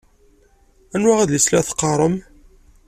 Anwa adlis i la teqqaṛem?